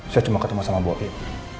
saya cuma ketemu sama boeing